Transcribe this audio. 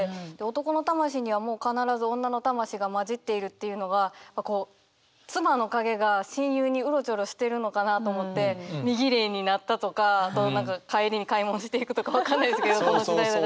「男の魂にはもうかならず女の魂が交じっている」っていうのがこう妻の影が親友にうろちょろしてるのかなと思って身ぎれいになったとか帰りに買い物していくとか分かんないですけどこの時代は。